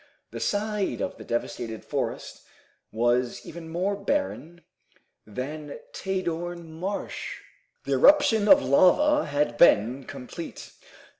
The side of the devastated forest was even more barren than Tadorn Marsh. The eruption of lava had been complete.